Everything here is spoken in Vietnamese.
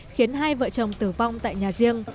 khiến hai vợ chồng tử vong tại nhà riêng